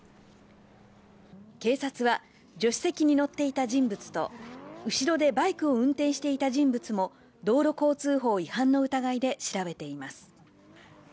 警察は、助手席に乗っていた人物と、後ろでバイクを運転していた人物も、道路交通法違反の疑いで調べています。